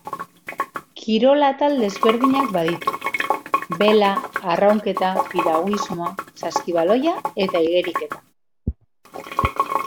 Kirol atal desberdinak baditu, bela, arraunketa, piraguismoa, saskibaloia eta igeriketa.